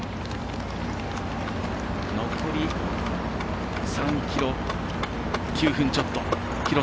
残り３ｋｍ９分ちょっと。